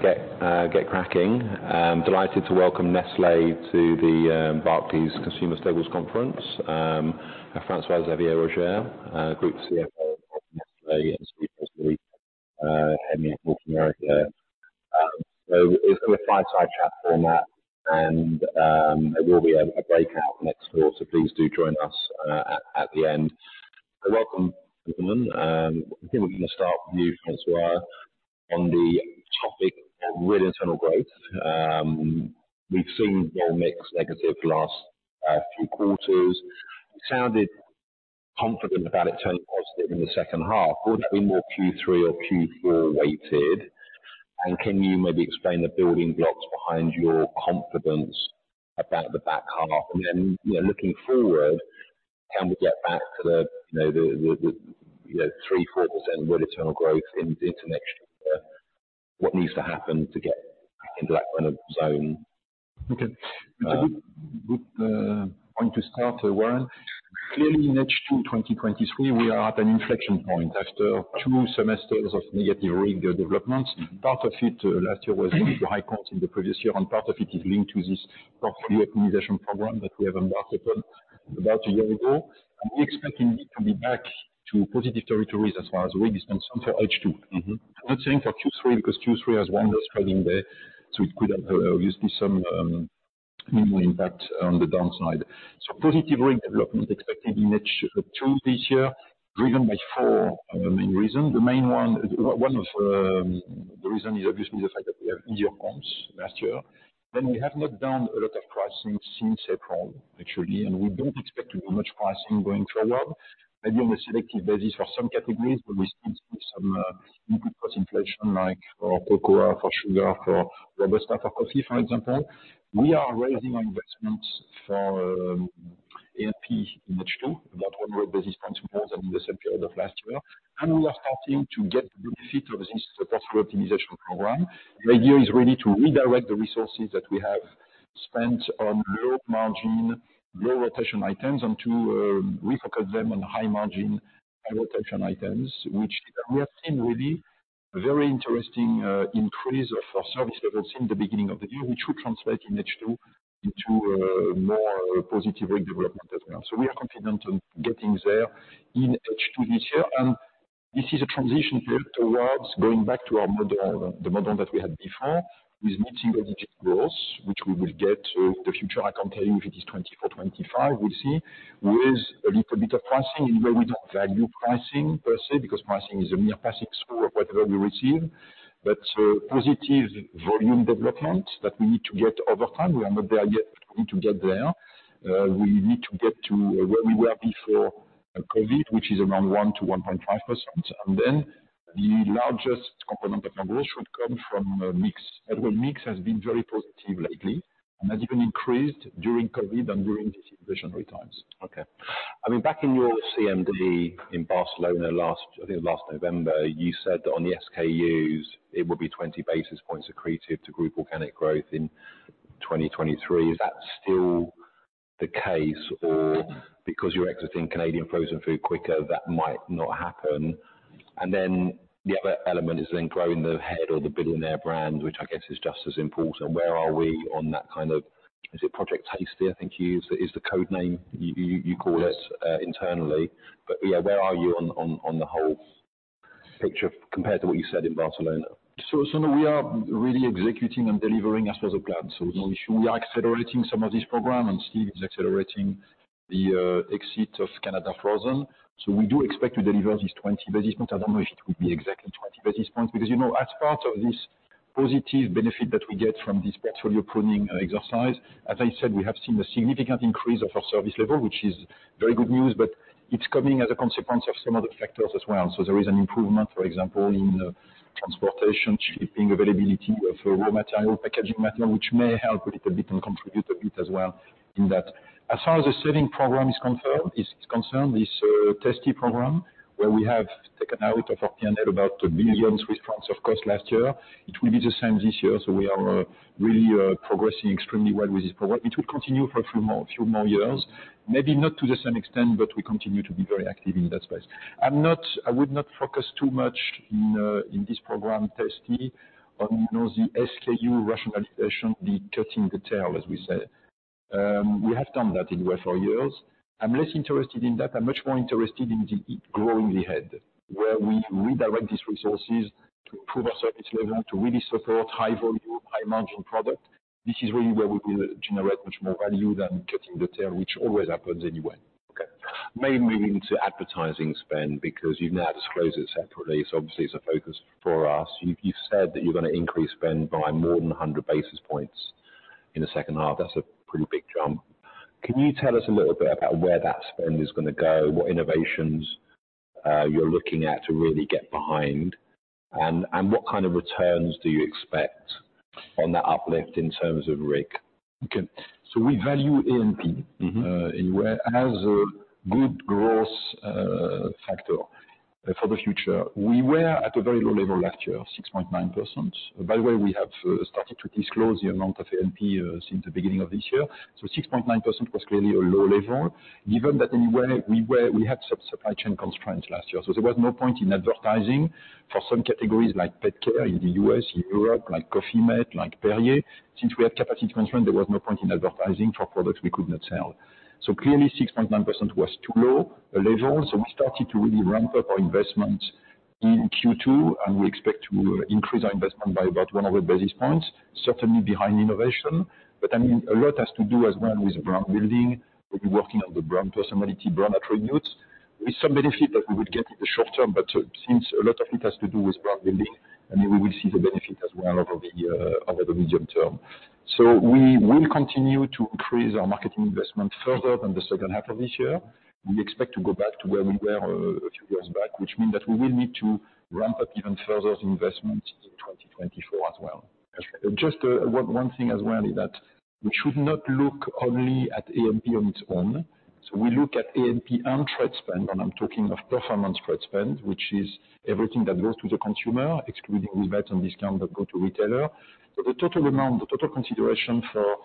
Get, get cracking. Delighted to welcome Nestlé to the Barclays Consumer Staples Conference. François-Xavier Roger, Group CFO of Nestlé and previously, EMEA, North America. So it's a fireside chat format and there will be a breakout next quarter, so please do join us at the end. Welcome, gentlemen. I think we're gonna start with you, François, on the topic of real internal growth. We've seen well mix negative last few quarters. You sounded confident about it turning positive in the second half. Would it be more Q3 or Q4 weighted? And can you maybe explain the building blocks behind your confidence about the back half? And then, you know, looking forward, can we get back to the, you know, the, the, the, you know, 3-4% with internal growth in, into next year? What needs to happen to get into that kind of zone? Okay. Good point to start, Warren. Clearly, in H2 2023, we are at an inflection point after two semesters of negative RIG developments. Part of it last year was linked to high comps in the previous year, and part of it is linked to this portfolio optimization program that we have embarked upon about a year ago. We expect indeed to be back to positive territories as far as RIG is concerned for H2. Mm-hmm. I'm not saying for Q3, because Q3 has 1 less trading day, so it could have obviously some minimal impact on the downside. Positive RIG development expected in H2 this year, driven by four main reasons. The main one, one of the reasons is obviously the fact that we have easier comps last year. Then we have not done a lot of pricing since April, actually, and we don't expect to do much pricing going forward. Maybe on a selective basis for some categories, but we still see some input cost inflation, like for cocoa, for sugar, for robusta coffee, for example. We are raising investments for A&P in H2, about 100 basis points more than in the same period of last year. And we are starting to get the benefit of this portfolio optimization program. The idea is really to redirect the resources that we have spent on low margin, low rotation items, and to refocus them on high margin, high rotation items. Which we have seen really very interesting increase of our service levels in the beginning of the year, which should translate in H2 into more positive RIG development as well. So we are confident on getting there in H2 this year, and this is a transition point towards going back to our model, the model that we had before, with mid-single digit growth, which we will get. So the future I can tell you, if it is 2024, 2025, we'll see, with a little bit of pricing, even though we don't value pricing per se, because pricing is a mere passing score of whatever we receive. But, positive volume development that we need to get over time, we are not there yet, but we need to get there. We need to get to where we were before, COVID, which is around 1%-1.5%. And then the largest component of our growth should come from mix. And well, mix has been very positive lately, and has even increased during COVID and during inflationary times. Okay. I mean, back in your CMD in Barcelona, last, I think last November, you said that on the SKUs, it would be 20 basis points accretive to group organic growth in 2023. Is that still the case, or because you're exiting Canadian frozen food quicker, that might not happen? And then the other element is then growing the head or the billionaire brands, which I guess is just as important. Where are we on that kind of... Is it Project Tasty, I think you use, is the code name you call it, internally. But yeah, where are you on the whole picture compared to what you said in Barcelona? So we are really executing and delivering as per the plan. So we are accelerating some of this program, and Steve is accelerating the exit of Canada Frozen. So we do expect to deliver this 20 basis points. I don't know if it will be exactly 20 basis points, because, you know, as part of this positive benefit that we get from this portfolio pruning exercise, as I said, we have seen a significant increase of our service level, which is very good news, but it's coming as a consequence of some other factors as well. So there is an improvement, for example, in transportation, shipping, availability of raw material, packaging material, which may help a little bit and contribute a bit as well in that. As far as the saving program is concerned, this Tasty program, where we have taken out about 1 billion Swiss francs of cost last year, it will be the same this year. So we are really progressing extremely well with this program. It will continue for a few more years, maybe not to the same extent, but we continue to be very active in that space. I'm not. I would not focus too much in this program, Tasty, on, you know, the SKU rationalization, the cutting the tail, as we say. We have done that it well for years. I'm less interested in that. I'm much more interested in the growing the head, where we redirect these resources to improve our service level, to really support high volume, high margin product. This is really where we can generate much more value than cutting the tail, which always happens anyway. Okay. Mainly into advertising spend, because you've now disclosed it separately, so obviously it's a focus for us. You've said that you're going to increase spend by more than 100 basis points in the second half. That's a pretty big jump. Can you tell us a little bit about where that spend is going to go, what innovations you're looking at to really get behind, and what kind of returns do you expect on that uplift in terms of RIG? Okay. So we value A&P- Mm-hmm. As a good growth factor for the future, we were at a very low level last year, of 6.9%. By the way, we have started to disclose the amount of A&P since the beginning of this year. So 6.9% was clearly a low level, given that anyway, we were-- we had some supply chain constraints last year. So there was no point in advertising for some categories like pet care in the U.S., in Europe, like Coffee mate, like Perrier. Since we had capacity constraint, there was no point in advertising for products we could not sell. So clearly, 6.9% was too low a level, so we started to really ramp up our investment in Q2, and we expect to increase our investment by about 100 basis points, certainly behind innovation. I mean, a lot has to do as well with brand building. We'll be working on the brand personality, brand attributes, with some benefit that we would get in the short term, but since a lot of it has to do with brand building, I mean, we will see the benefit as well over the medium term. So we will continue to increase our marketing investment further than the second half of this year. We expect to go back to where we were a few years back, which means that we will need to ramp up even further the investment in 2024 as well. Just one thing as well is that we should not look only at A&P on its own. So we look at A&P and trade spend, and I'm talking of performance trade spend, which is everything that goes to the consumer, excluding discounts that go to retailer. So the total amount, the total consideration for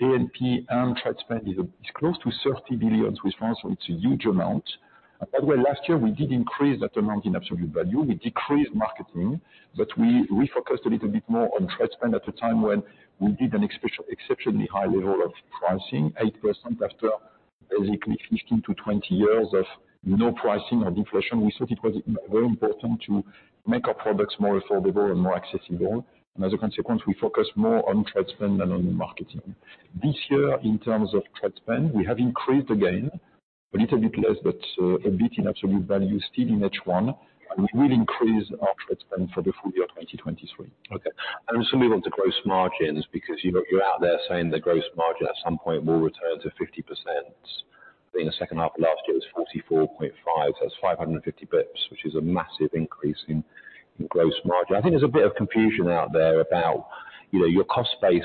A&P and trade spend is close to 30 billion Swiss francs, so it's a huge amount. By the way, last year, we did increase that amount in absolute value. We decreased marketing, but we refocused a little bit more on trade spend at a time when we did an exceptionally high level of pricing, 8%, after basically 15-20 years of no pricing or deflation. We thought it was very important to make our products more affordable and more accessible. As a consequence, we focus more on trade spend than on marketing. This year, in terms of trade spend, we have increased again, a little bit less, but a bit in absolute value, still in H1, and we will increase our trade spend for the full year 2023. Okay, and so moving on to gross margins, because you're out there saying the gross margin at some point will return to 50%. In the second half of last year, it was 44.5%, so that's 550 basis points, which is a massive increase in gross margin. I think there's a bit of confusion out there about, you know, your cost base,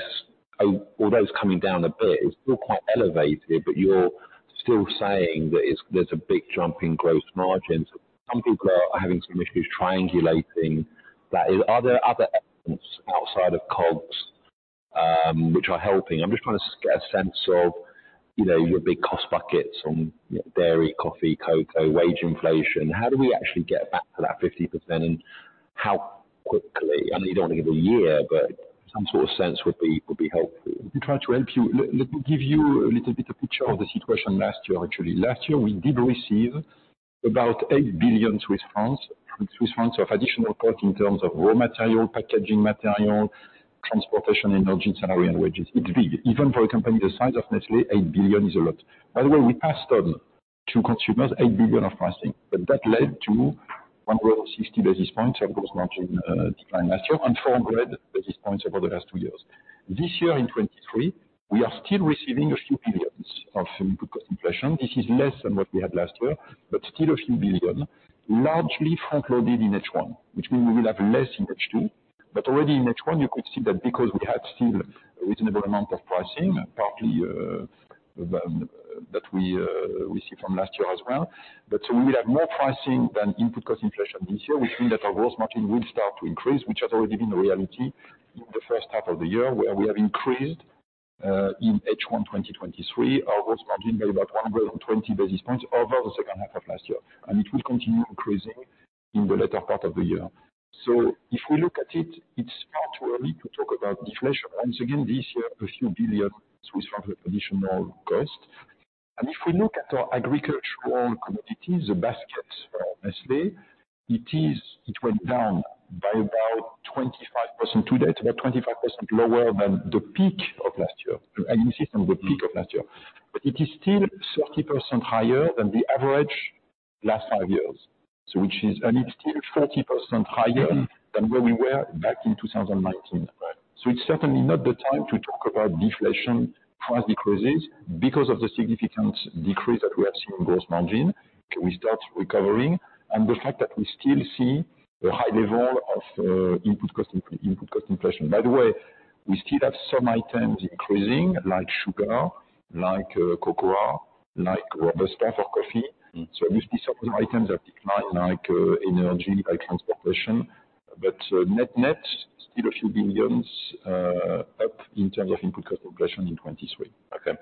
although it's coming down a bit, it's still quite elevated, but you're still saying that it's, there's a big jump in gross margins. Some people are having some issues triangulating that. Are there other elements outside of COGS, which are helping? I'm just trying to get a sense of, you know, your big cost buckets on dairy, coffee, cocoa, wage inflation. How do we actually get back to that 50%, and how quickly? I know you don't think it's a year, but some sort of sense would be, would be helpful. To try to help you, let me give you a little bit of picture of the situation last year, actually. Last year, we did receive about 8 billion, Swiss francs of additional cost in terms of raw material, packaging material, transportation, energy, salary, and wages. It's big. Even for a company the size of Nestlé, 8 billion is a lot. By the way, we passed on to consumers 8 billion of pricing, but that led to 160 basis points of gross margin decline last year, and 400 basis points over the last two years. This year, in 2023, we are still receiving a few billion of input cost inflation. This is less than what we had last year, but still a few billion, largely front-loaded in H1, which means we will have less in H2. But already in H1, you could see that because we had still a reasonable amount of pricing, partly, that we see from last year as well. But so we will have more pricing than input cost inflation this year, which means that our gross margin will start to increase, which has already been a reality in the first half of the year, where we have increased, in H1 2023, our gross margin by about 120 basis points over the second half of last year, and it will continue increasing in the latter part of the year. So if we look at it, it's far too early to talk about deflation. Once again, this year, a few billion Swiss franc additional cost. If we look at our agricultural commodities, the baskets for Nestlé, it went down by about 25%. Today, it's about 25% lower than the peak of last year. And you see from the peak of last year. But it is still 30% higher than the average last five years. So which is, and it's still 40% higher than where we were back in 2019. So it's certainly not the time to talk about deflation price decreases because of the significant decrease that we have seen in gross margin, we start recovering, and the fact that we still see a high level of input cost inflation. By the way, we still have some items increasing, like sugar, like cocoa, like robusta for coffee. So it must be certain items that decline, like energy, like transportation, but net-net, still a few billions up in terms of input cost inflation in 2023. Okay.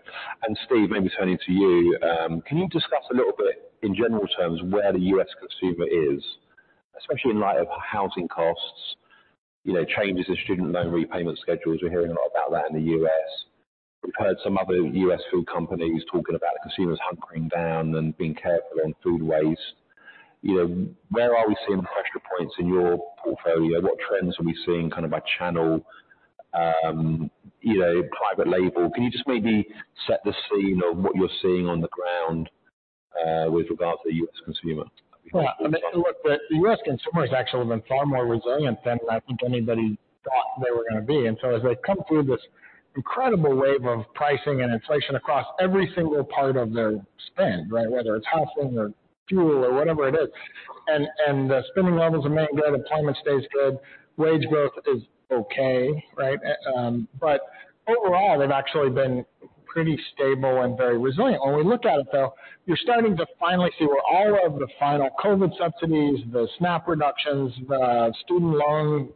And Steve, maybe turning to you, can you discuss a little bit, in general terms, where the U.S. consumer is, especially in light of housing costs, you know, changes in student loan repayment schedules? We're hearing a lot about that in the U.S. We've heard some other U.S. food companies talking about consumers hunkering down and being careful on food waste. You know, where are we seeing pressure points in your portfolio? What trends are we seeing kind of by channel, you know, private label? Can you just maybe set the scene of what you're seeing on the ground, with regards to the U.S. consumer? Well, look, the U.S. consumer has actually been far more resilient than I think anybody thought they were going to be. And so as they've come through this incredible wave of pricing and inflation across every single part of their spend, right? Whether it's housing or fuel or whatever it is, and the spending levels are maintained, employment stays good, wage growth is okay, right? But overall, they've actually been pretty stable and very resilient. When we look at it, though, we're starting to finally see where all of the final COVID subsidies, the SNAP reductions, the student loan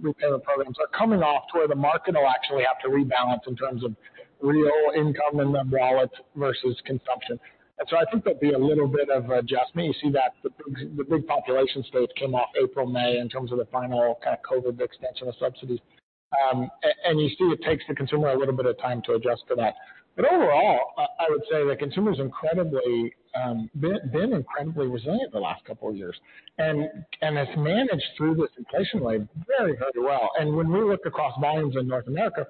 repayment programs coming off to where the market will actually have to rebalance in terms of real income in the wallet versus consumption. And so I think there'll be a little bit of adjustment. You see that the big population states came off April, May, in terms of the final kind of COVID extension of subsidies. And you see it takes the consumer a little bit of time to adjust to that. But overall, I would say the consumer's been incredibly resilient the last couple of years, and has managed through this inflation wave very, very well. And when we look across volumes in North America,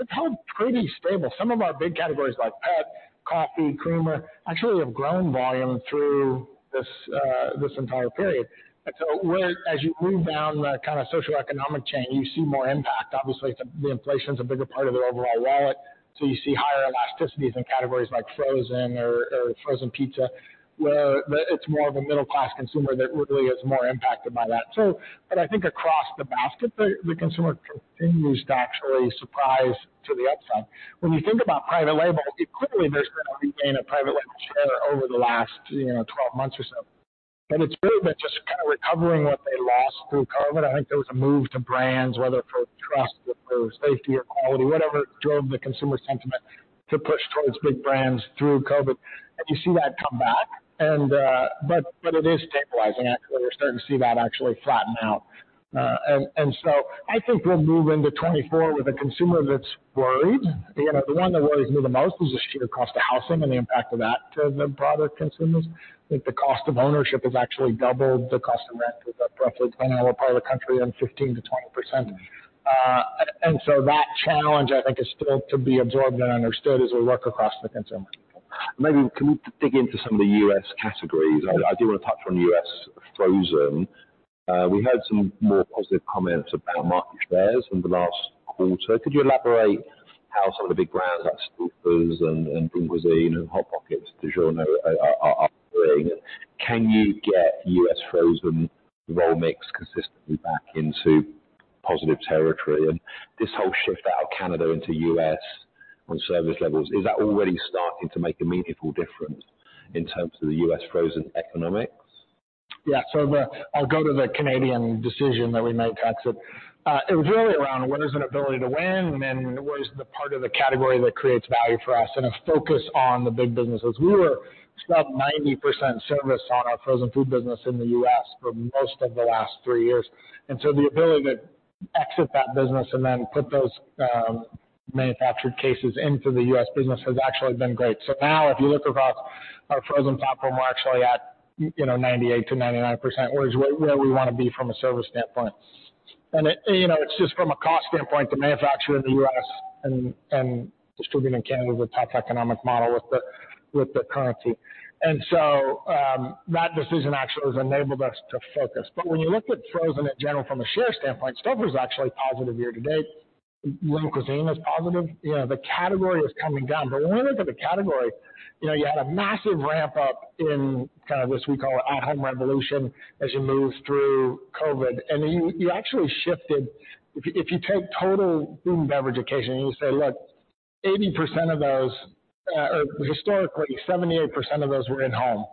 it's held pretty stable. Some of our big categories like pet, coffee, creamer, actually have grown volume through this entire period. And so whereas you move down the kind of socioeconomic chain, you see more impact. Obviously, the inflation's a bigger part of their overall wallet, so you see higher elasticities in categories like frozen or frozen pizza, where the—it's more of a middle-class consumer that really is more impacted by that. So, but I think across the basket, the consumer continues to actually surprise to the upside. When you think about private label, clearly, there's been a regain of private label share over the last, you know, 12 months or so, but it's really been just kind of recovering what they lost through COVID. I think there was a move to brands, whether for trust, or for safety, or quality, whatever drove the consumer sentiment to push towards big brands through COVID, and you see that come back. And, but it is stabilizing. Actually, we're starting to see that actually flatten out. So I think we'll move into 2024 with a consumer that's worried. You know, the one that worries me the most is the sheer cost of housing and the impact of that to the broader consumers. I think the cost of ownership has actually doubled the cost of rent, with approximately 10% in our part of the country and 15%-20%. So that challenge, I think, is still to be absorbed and understood as we look across the consumer. Maybe can we dig into some of the U.S. categories? I do want to touch on U.S. frozen. We heard some more positive comments about market shares in the last quarter. Could you elaborate how some of the big brands like Stouffer's and Lean Cuisine, and Hot Pockets, DiGiorno are doing? Can you get U.S. frozen role mix consistently back into positive territory? And this whole shift out of Canada into U.S. on service levels, is that already starting to make a meaningful difference in terms of the U.S. frozen economics? Yeah. So the... I'll go to the Canadian decision that we made to exit. It was really around what is an ability to win and what is the part of the category that creates value for us, and a focus on the big businesses. We were about 90% service on our frozen food business in the U.S. for most of the last three years, and so the ability to exit that business and then put those manufactured cases into the U.S. business has actually been great. So now, if you look across our frozen platform, we're actually at, you know, 98%-99%, where we wanna be from a service standpoint. And it, you know, it's just from a cost standpoint, to manufacture in the U.S. and distribute in Canada is a tough economic model with the currency. That decision actually has enabled us to focus. But when you look at frozen in general from a share standpoint, Stouffer's is actually positive year to date. Lean Cuisine is positive. You know, the category is coming down, but when you look at the category, you know, you had a massive ramp-up in kind of what we call an at-home revolution as you moved through COVID, and you actually shifted. If you take total food and beverage occasion, and you say, "Look, 80% of those, or historically, 78% of those were in home."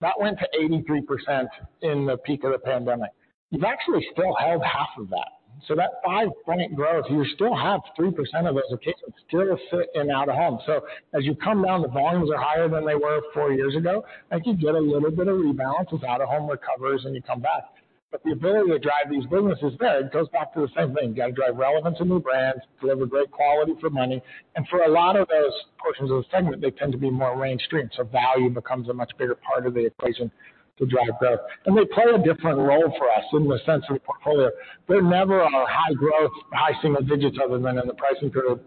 That went to 83% in the peak of the pandemic. You've actually still held half of that. So that 5-point growth, you still have 3% of those occasions still fit in out-of-home. So as you come down, the volumes are higher than they were four years ago. I think you get a little bit of rebalance as out-of-home recovers and you come back. But the ability to drive these businesses there, it goes back to the same thing: you gotta drive relevance in new brands, deliver great quality for money, and for a lot of those portions of the segment, they tend to be more mainstream, so value becomes a much bigger part of the equation to drive growth. And they play a different role for us in the sense of the portfolio. They're never our high growth, high single digits other than in the pricing growth,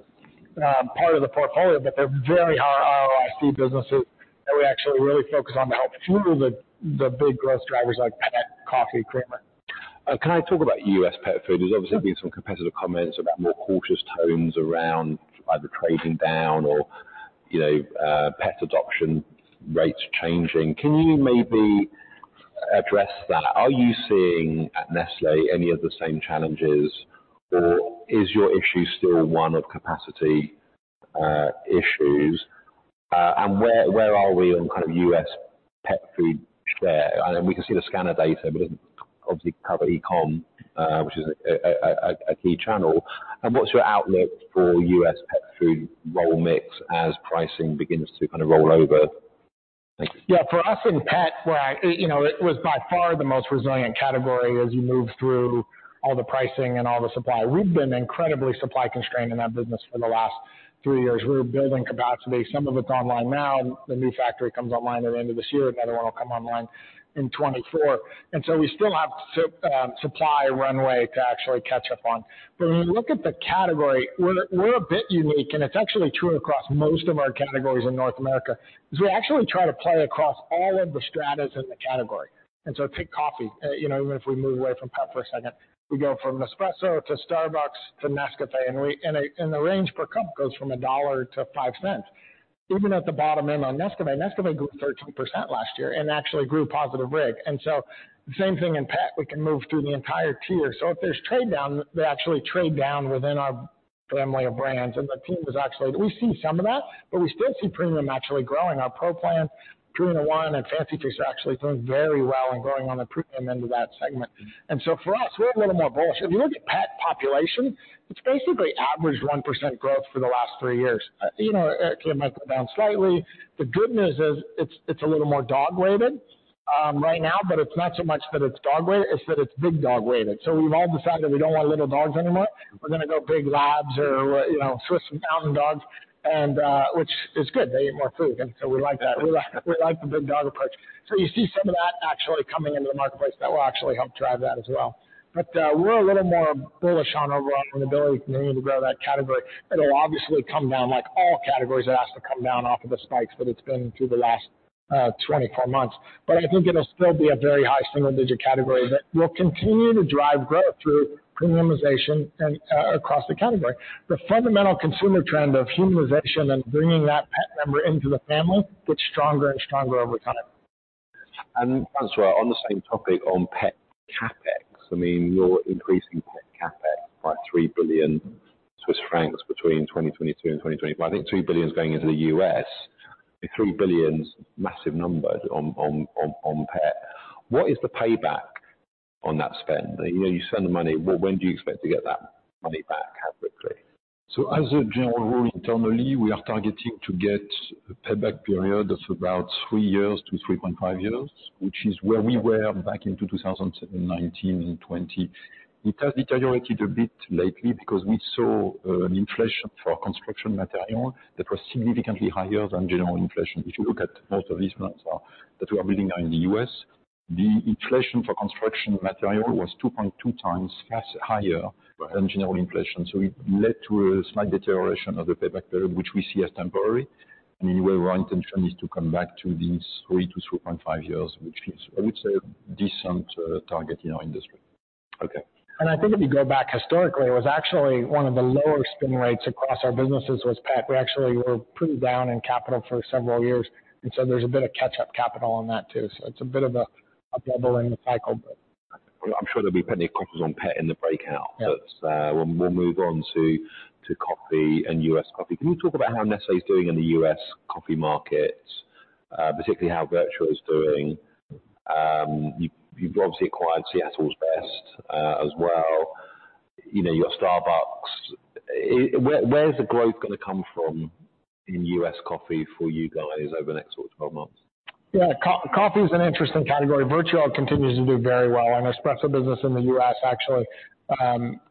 part of the portfolio, but they're very high ROIC businesses, and we actually really focus on to help fuel the big growth drivers like pet, coffee, creamer. Can I talk about US pet food? Yeah. There's obviously been some competitive comments about more cautious tones around either trading down or, you know, pet adoption rates changing. Can you maybe address that? Are you seeing at Nestlé any of the same challenges, or is your issue still one of capacity, issues? And where are we on kind of US pet food share? And we can see the scanner data, but it obviously cover e-com, which is a key channel. And what's your outlook for US pet food role mix as pricing begins to kind of roll over? Thank you. Yeah, for us in pet, where I, you know, it was by far the most resilient category as you moved through all the pricing and all the supply. We've been incredibly supply constrained in that business for the last three years. We're building capacity. Some of it's online now. The new factory comes online at the end of this year. Another one will come online in 2024. And so we still have supply runway to actually catch up on. But when you look at the category, we're a bit unique, and it's actually true across most of our categories in North America, is we actually try to play across all of the stratas in the category. And so take coffee, you know, even if we move away from pet for a second, we go from Nespresso to Starbucks to Nescafé, and the range per cup goes from $1 to $0.05. Even at the bottom end on Nescafé, Nescafé grew 13% last year and actually grew positive RIG. And so same thing in pet, we can move through the entire tier. So if there's trade down, they actually trade down within our family of brands, and we see some of that, but we still see premium actually growing. Our Pro Plan, Purina ONE, and Fancy Feast are actually doing very well and growing on the premium end of that segment. And so for us, we're a little more bullish. If you look at pet population, it's basically average 1% growth for the last three years. You know, it came back down slightly. The good news is, it's, it's a little more dog-weighted, right now, but it's not so much that it's dog-weighted, it's that it's big dog-weighted. So we've all decided we don't want little dogs anymore. We're gonna go big Labs or, you know, Swiss mountain dogs, and, which is good. They eat more food, and so we like that. We like the big dog approach. So you see some of that actually coming into the marketplace that will actually help drive that as well. But, we're a little more bullish on our ability for me to grow that category. It'll obviously come down, like all categories have to come down off of the spikes that it's been through the last, 24 months. But I think it'll still be a very high single-digit category that will continue to drive growth through premiumization and across the category. The fundamental consumer trend of humanization and bringing that pet member into the family gets stronger and stronger over time. François, on the same topic, on pet CapEx, I mean, you're increasing pet CapEx by 3 billion Swiss francs between 2022 and 2024. I think 3 billion is going into the U.S. 3 billion's a massive number on pet. What is the payback on that spend? You know, you spend the money, well, when do you expect to get that money back, how quickly? So as a general rule, internally, we are targeting to get a payback period that's about three years to 3.5 years, which is where we were back into 2019 and 2020. It has deteriorated a bit lately because we saw an inflation for construction material that was significantly higher than general inflation. If you look at most of these plants are, that we are building now in the U.S., the inflation for construction material was 2.2x higher than general inflation. So it led to a slight deterioration of the payback period, which we see as temporary. I mean, well, our intention is to come back to these 3-3.5 years, which is, I would say, a decent target in our industry. Okay. I think if you go back historically, it was actually one of the lower spin rates across our businesses was pet. We actually were pretty down in capital for several years, and so there's a bit of catch-up capital on that too. So it's a bit of a bubble in the cycle. I'm sure there'll be plenty of questions on pet in the breakout. Yeah. But we'll move on to coffee and US coffee. Can you talk about how Nestlé is doing in the US coffee market, particularly how Vertuo is doing? You've obviously acquired Seattle's Best, as well. You know, you got Starbucks. Where's the growth gonna come from in US coffee for you guys over the next 12 months? Yeah, coffee is an interesting category. Vertuo continues to do very well, and Nespresso business in the U.S. actually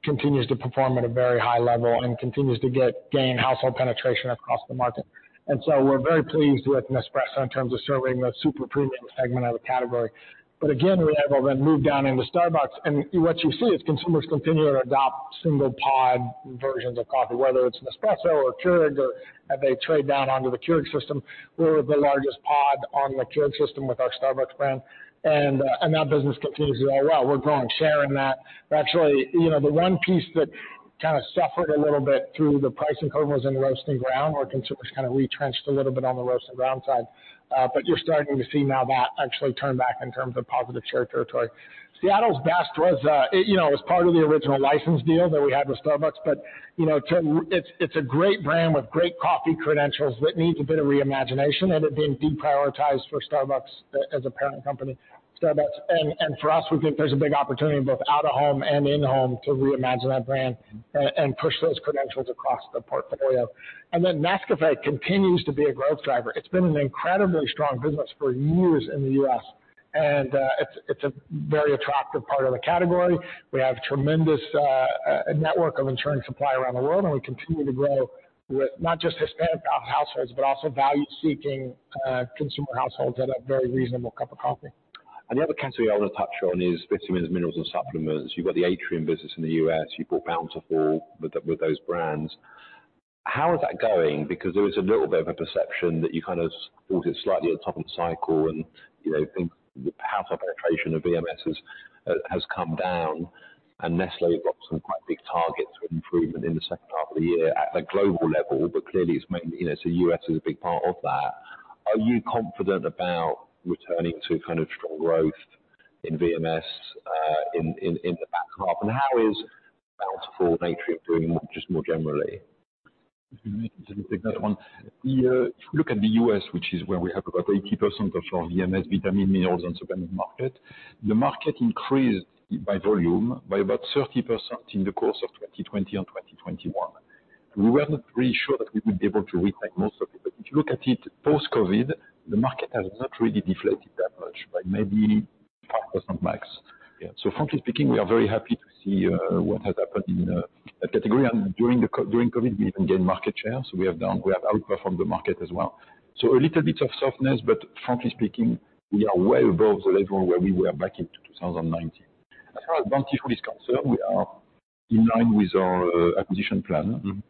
continues to perform at a very high level and continues to gain household penetration across the market. And so we're very pleased with Nespresso in terms of serving the super premium segment of the category. But again, we have then moved down into Starbucks, and what you see is consumers continue to adopt single pod versions of coffee, whether it's Nespresso or Keurig, or as they trade down onto the Keurig system. We're the largest pod on the Keurig system with our Starbucks brand, and that business continues to do well. We're growing share in that. But actually, you know, the one piece that kinda suffered a little bit through the pricing code was in roasted ground, where consumers kinda retrenched a little bit on the roasted ground side. But you're starting to see now that actually turn back in terms of positive share territory. Seattle's Best was, you know, it was part of the original license deal that we had with Starbucks, but, you know, to, it's, it's a great brand with great coffee credentials, but needs a bit of reimagination and it being deprioritized for Starbucks as a parent company, Starbucks. And, and for us, we think there's a big opportunity both out of home and in home, to reimagine that brand and, and push those credentials across the portfolio. And then Nescafé continues to be a growth driver. It's been an incredibly strong business for years in the U.S., and it's a very attractive part of the category. We have tremendous network of ensuring supply around the world, and we continue to grow with not just Hispanic households, but also value-seeking consumer households at a very reasonable cup of coffee. Another category I want to touch on is vitamins, minerals, and supplements. You've got the Atrium business in the U.S., you've bought Bountiful with those brands. How is that going? Because there was a little bit of a perception that you kind of bought it slightly on the top of the cycle and, you know, the household penetration of VMS is, has come down, and Nestlé got some quite big targets for improvement in the second half of the year at a global level, but clearly, you know, so U.S. is a big part of that. Are you confident about returning to kind of strong growth in VMS in the back half? And how is Bountiful Atrium doing, just more generally? Let me take that one. Yeah, if you look at the U.S., which is where we have about 80% of our VMS, vitamin, minerals, and supplement market. The market increased by volume by about 30% in the course of 2020 and 2021. We were not really sure that we would be able to retain most of it, but if you look at it post-COVID, the market has not really deflated that much by maybe 5% max. Yeah, so frankly speaking, we are very happy to see what has happened in the category and during COVID, we even gained market share, so we have outperformed the market as well. So a little bit of softness, but frankly speaking, we are way above the level where we were back in 2019. As far as Bountiful is concerned, we are in line with our acquisition plan. Mm-hmm.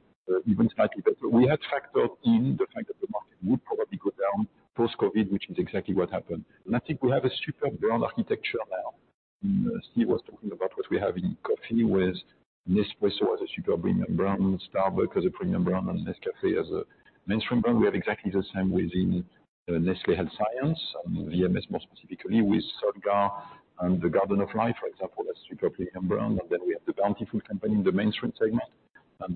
Even slightly better. We had factored in the fact that the market would probably go down post-COVID, which is exactly what happened. I think we have a super brand architecture now. Steve was talking about what we have in coffee with Nespresso as a super premium brand, Starbucks as a premium brand, and Nescafé as a mainstream brand. We have exactly the same within Nestlé Health Science and VMS, more specifically with Solgar and the Garden of Life, for example, that's super premium brand, and then we have the Bountiful Company in the mainstream segment.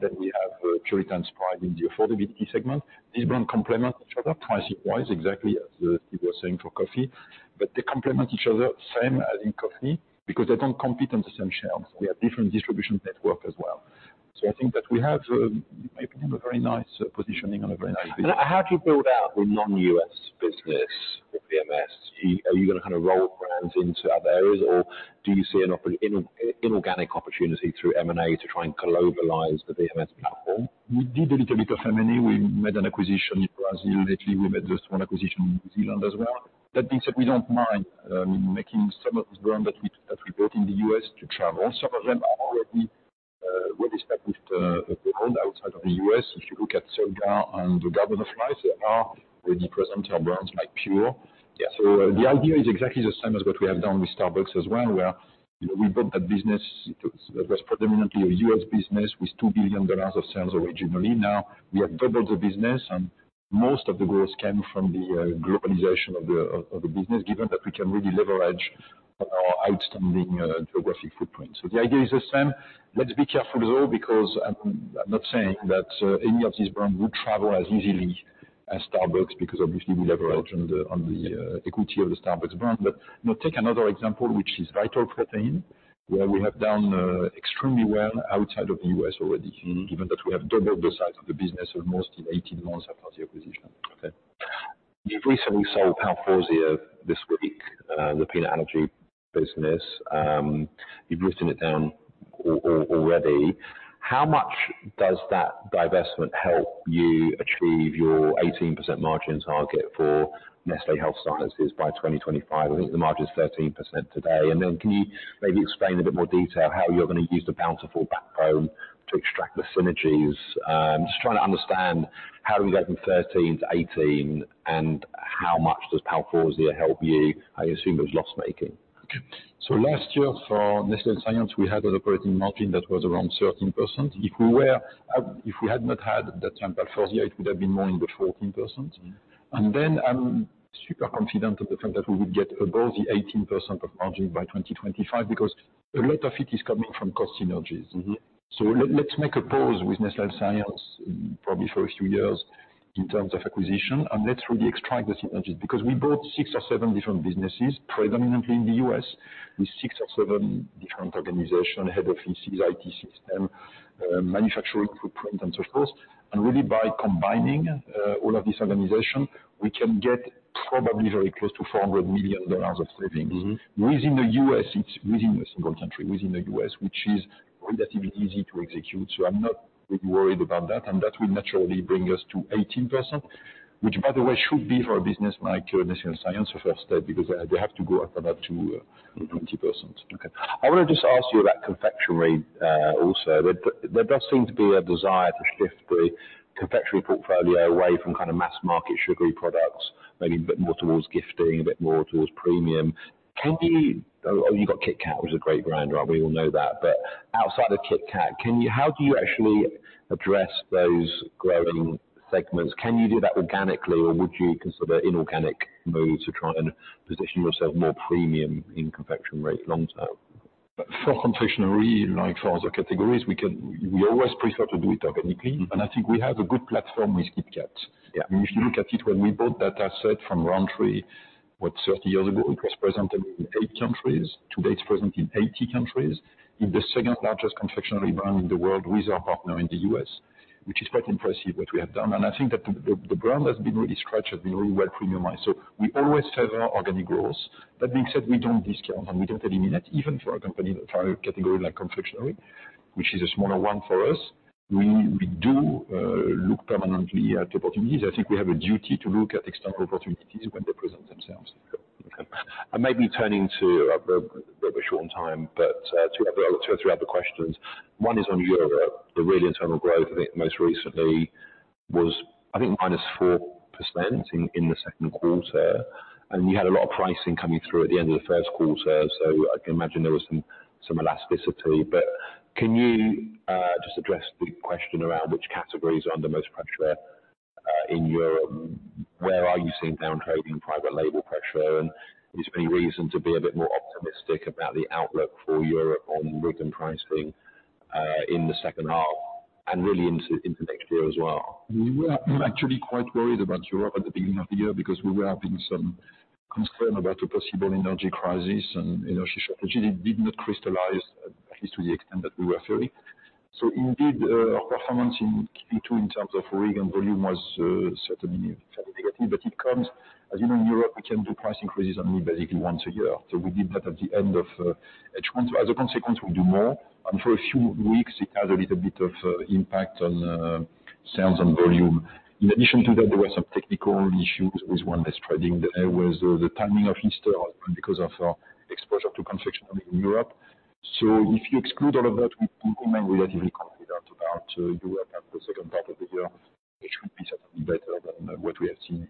Then we have Puritan's Pride in the affordability segment. These brand complement each other pricing-wise, exactly as you were saying for coffee. But they complement each other, same as in coffee, because they don't compete on the same shelves. We have different distribution network as well. I think that we have, in my opinion, a very nice positioning on a very nice business. How do you build out the non-U.S. business for VMS? Are you going to kind of roll brands into other areas, or do you see an inorganic opportunity through M&A to try and globalize the VMS platform? We did a little bit of M&A. We made an acquisition in Brazil. Lately, we made this one acquisition in New Zealand as well. That being said, we don't mind making some of these brands that we built in the U.S. to travel. Some of them are already well established outside of the U.S. If you look at Solgar and the Garden of Life, they are already present brands like Pure. Yeah, so the idea is exactly the same as what we have done with Starbucks as well, where, you know, we built that business. It was predominantly a U.S. business with $2 billion of sales originally. Now, we have doubled the business, and most of the growth came from the globalization of the business, given that we can really leverage on our outstanding geographic footprint. So the idea is the same. Let's be careful, though, because I'm, I'm not saying that any of these brands would travel as easily as Starbucks, because obviously, we leverage on the, on the equity of the Starbucks brand. But now take another example, which is Vital Proteins, where we have done extremely well outside of the U.S. already, given that we have doubled the size of the business almost in 18 months after the acquisition. Okay. You've recently sold PALFORZIA this week, the peanut allergy business. You've written it down already. How much does that divestment help you achieve your 18% margin target for Nestlé Health Science by 2025? I think the margin is 13% today. And then can you maybe explain a bit more detail how you're going to use the Bountiful backbone to extract the synergies? Just trying to understand how do we get from 13% to 18%, and how much does PALFORZIA help you? I assume it was loss-making. Okay. So last year, for Nestlé Health Science, we had an operating margin that was around 13%. If we were, if we had not had that PALFORZIA, it would have been more in the 14%. Mm-hmm. And then I'm super confident of the fact that we would get above the 18% of margin by 2025, because a lot of it is coming from cost synergies. Mm-hmm. Let's make a pause with Nestlé Health Science, probably for a few years in terms of acquisition, and let's really extract the synergies, because we bought six or seven different businesses, predominantly in the U.S., with six or seven different organization, head offices, IT system, manufacturing footprint, and so forth. And really, by combining all of this organization, we can get probably very close to $400 million of savings. Mm-hmm. Within the U.S., it's within a single country, within the U.S., which is relatively easy to execute, so I'm not really worried about that, and that will naturally bring us to 18%, which, by the way, should be for a business like Nestlé Health Science, a first step, because they have to go up and up to 20%. Okay. I want to just ask you about confectionery also. There does seem to be a desire to shift the confectionery portfolio away from kind of mass market, sugary products, maybe a bit more towards gifting, a bit more towards premium. Can you— Oh, you got Kit Kat, which is a great brand, right? We all know that. But outside of Kit Kat, can you, how do you actually address those growing segments? Can you do that organically, or would you consider inorganic moves to try and position yourself more premium in confectionery long term? For confectionery, like for other categories, we always prefer to do it organically. Mm-hmm. I think we have a good platform with Kit Kat. Yeah. If you look at it, when we bought that asset from Rowntree's, what, 30 years ago? It was present in eight countries. Today, it's present in 80 countries. It's the second largest confectionery brand in the world with our partner in the U.S., which is quite impressive, what we have done. And I think that the brand has been really stretched and really well premiumized. So we always favor organic growth. That being said, we don't discount, and we don't eliminate, even for a company, for a category like confectionery, which is a smaller one for us. We, we do look permanently at opportunities. I think we have a duty to look at external opportunities when they present themselves. Okay. And maybe turning to, we're a bit short on time, but two other, two or three other questions. One is on Europe. The real internal growth, I think, most recently was, I think, -4% in the second quarter, and you had a lot of pricing coming through at the end of the first quarter, so I can imagine there was some elasticity. But can you just address the question around which categories are under most pressure in Europe? Where are you seeing down trade in private label pressure, and is there any reason to be a bit more optimistic about the outlook for Europe on RIG and pricing in the second half and really into next year as well? We were actually quite worried about Europe at the beginning of the year because we were having some concern about a possible energy crisis and energy shortage. It did not crystallize, at least to the extent that we were fearing. So indeed, our performance in Q2 in terms of RIG and volume was certainly negative. But it comes, as you know, in Europe, we can do price increases basically once a year. So we did that at the end of Q1. As a consequence, we do more, and for a few weeks, it had a little bit of impact on sales and volume. In addition to that, there were some technical issues with one less trading. There was the timing of Easter and because of our exposure to confectionery in Europe. So if you exclude all of that, we think we are really confident about Europe and the second part of the year, which would be certainly better than what we have seen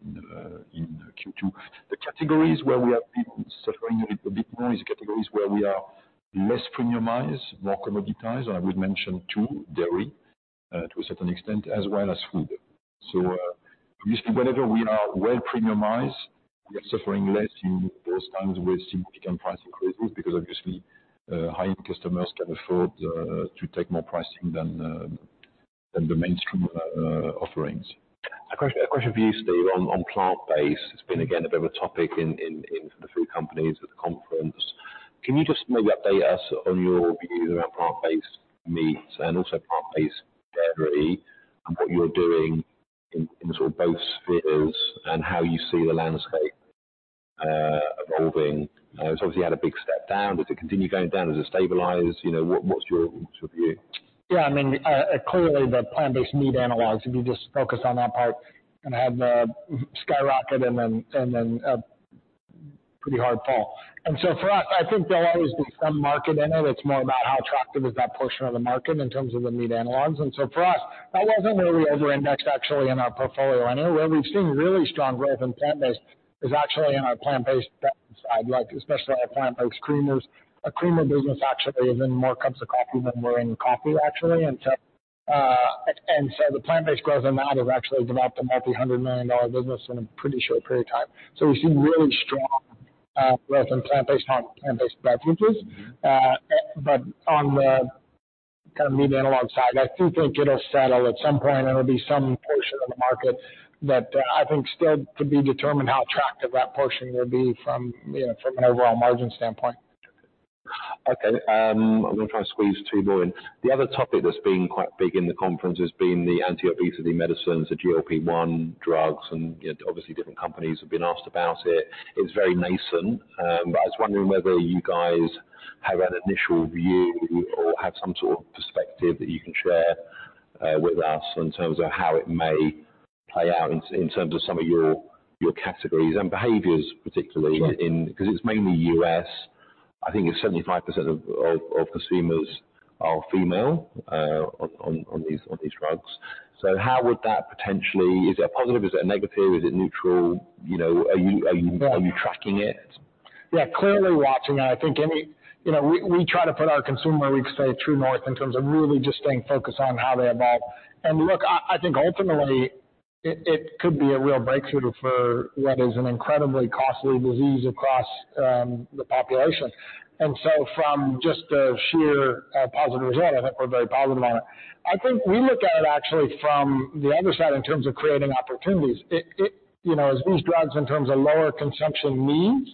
in Q2. The categories where we have been suffering a little bit more, is categories where we are less premiumized, more commoditized. I would mention two, dairy, to a certain extent, as well as food. So, obviously, whenever we are well premiumized, we are suffering less in those times with significant price increases, because obviously, high-end customers can afford to take more pricing than the mainstream offerings. A question for you, Steve, on plant-based. It's been, again, a bit of a topic in the food companies at the conference. Can you just maybe update us on your views about plant-based meats and also plant-based dairy, and what you're doing in sort of both spheres and how you see the landscape evolving? It's obviously had a big step down. Does it continue going down? Does it stabilize? You know, what's your view? Yeah, I mean, clearly, the plant-based meat analogs, if you just focus on that part, kind of have skyrocket and then, and then a pretty hard fall. So for us, I think there'll always be some market in it. It's more about how attractive is that portion of the market in terms of the meat analogs. So for us, that wasn't really over-indexed actually in our portfolio anywhere. Where we've seen really strong growth in plant-based is actually in our plant-based side, like especially our plant-based creamers. Our creamer business actually is in more cups of coffee than we're in coffee, actually. So the plant-based growth in that have actually developed a multi-hundred million dollar business in a pretty short period of time. So we've seen really strong growth in plant-based on plant-based beverages. But on the kind of meat analog side, I do think it'll settle at some point, and there'll be some portion of the market, but, I think still to be determined how attractive that portion will be from, you know, from an overall margin standpoint. Okay, I'm going to try to squeeze two more in. The other topic that's been quite big in the conference has been the anti-obesity medicines, the GLP-1 drugs, and, you know, obviously, different companies have been asked about it. It's very nascent, but I was wondering whether you guys have an initial view or have some sort of perspective that you can share with us in terms of how it may play out in, in terms of some of your, your categories and behaviors, particularly in- Sure. because it's mainly U.S. I think it's 75% of consumers are female on these drugs. So how would that potentially... Is it a positive? Is it a negative? Is it neutral? You know, are you, are you- Yeah. Are you tracking it? Yeah, clearly watching that. I think—you know, we try to put our consumer weeks stay true north in terms of really just staying focused on how they evolve. Look, I think ultimately, it could be a real breakthrough for what is an incredibly costly disease across the population. So from just a sheer positive result, I think we're very positive on it. I think we look at it actually from the other side in terms of creating opportunities. It, you know, as these drugs in terms of lower consumption needs,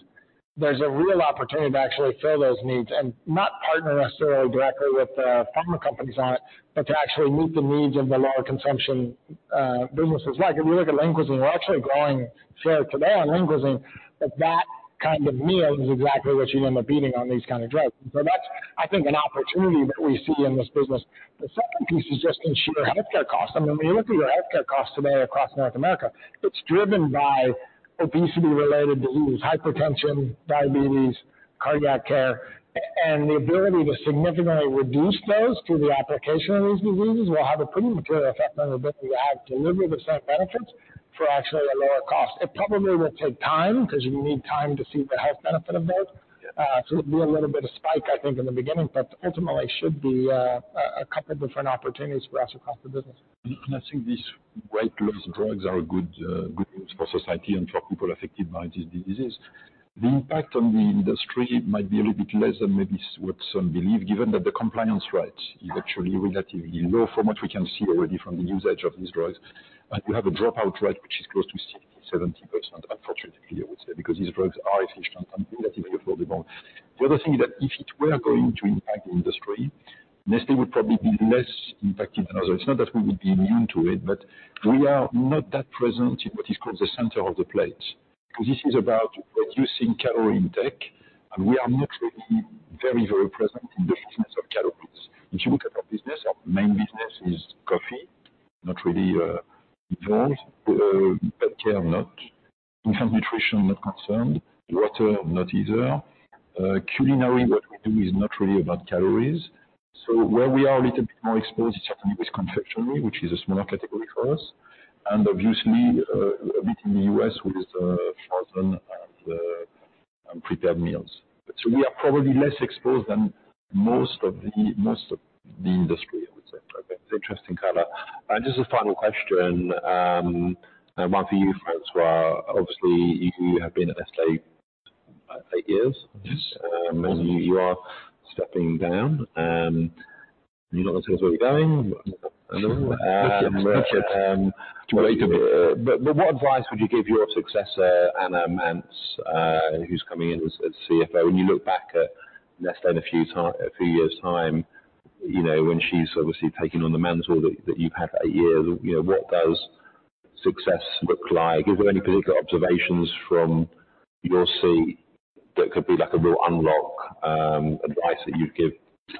there's a real opportunity to actually fill those needs and not partner necessarily directly with the pharma companies on it, but to actually meet the needs of the lower consumption businesses. Like, if you look at lunches, we're actually growing share today on lunches, but that kind of meal is exactly what you end up eating on these kind of drugs. So that's, I think, an opportunity that we see in this business. The second piece is just in sheer healthcare costs. I mean, when you look at your healthcare costs today across North America, it's driven by obesity-related diseases, hypertension, diabetes, cardiac care, and the ability to significantly reduce those through the application of these drugs will have a pretty material effect on the bill. We can deliver the same benefits for actually a lower cost. It probably will take time because you need time to see the health benefit of those. So it'll be a little bit of spike, I think, in the beginning, but ultimately should be a couple of different opportunities for us across the business. I think these weight loss drugs are good, good for society and for people affected by this disease. The impact on the industry might be a little bit less than maybe what some believe, given that the compliance rate is actually relatively low from what we can see already from the usage of these drugs. And you have a dropout rate, which is close to 70%, unfortunately, I would say, because these drugs are efficient and relatively affordable. The other thing is that if it were going to impact the industry, Nestlé would probably be less impacted than others. It's not that we would be immune to it, but we are not that present in what is called the center of the plate, because this is about reducing calorie intake, and we are not really very, very present in the business of calories. If you look at our business, our main business is coffee, not really involved, pet care, not. Infant nutrition, not concerned. Water, not either. Culinary, what we do is not really about calories. So where we are a little bit more exposed is certainly with confectionery, which is a smaller category for us, and obviously, a bit in the U.S. with the frozen and the, and prepared meals. So we are probably less exposed than most of the, most of the industry, I would say. Okay. It's interesting color. And just a final question, one for you, François. Obviously, you have been at Nestlé eight years. Yes. And you, you are stepping down, you're not going to tell us where you're going. But, but what advice would you give your successor, Anna Manz, who's coming in as CFO? When you look back at Nestlé in a few time, a few years' time, you know, when she's obviously taking on the mantle that, that you've had for eight years, you know, what does success look like? Is there any particular observations from your seat that could be, like, a real unlock, advice that you'd give,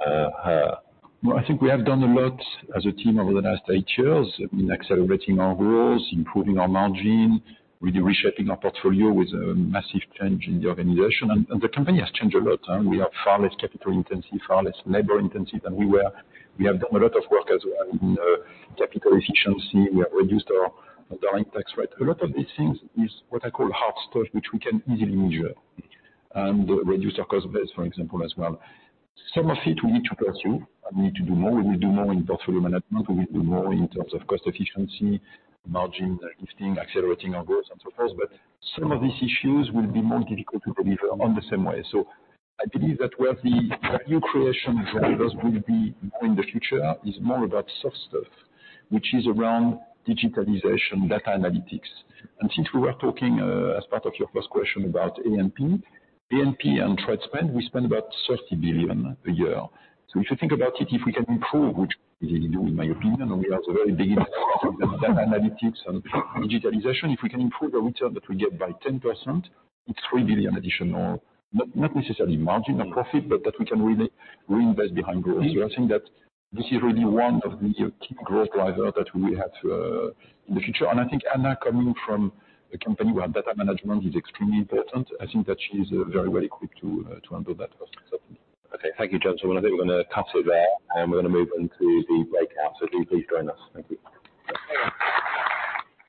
her? Well, I think we have done a lot as a team over the last eight years in accelerating our growth, improving our margin, really reshaping our portfolio with a massive change in the organization, and, and the company has changed a lot. We are far less capital intensive, far less labor intensive than we were. We have done a lot of work as well in capital efficiency. We have reduced our direct tax rate. A lot of these things is what I call hard stuff, which we can easily measure, and reduce our cost base, for example, as well. Some of it we need to go through, and we need to do more. We do more in portfolio management. We do more in terms of cost efficiency, margin lifting, accelerating our growth, and so forth. But some of these issues will be more difficult to deliver on the same way. So I believe that where the new creation drivers will be in the future is more about soft stuff, which is around digitalization, data analytics. And since we were talking, as part of your first question about A&P, A&P and trade spend, we spend about 30 billion a year. So if you think about it, if we can improve, which we can do in my opinion, we have a very big data analytics and digitalization. If we can improve the return that we get by 10%, it's 3 billion additional, not, not necessarily margin or profit, but that we can really reinvest behind growth. So I think that this is really one of the key growth drivers that we will have to, in the future. I think Anna, coming from a company where data management is extremely important, I think that she's very, very quick to handle that for us. Okay. Thank you, gentlemen. I think we're going to cut it there, and we're going to move into the breakout. So please join us. Thank you.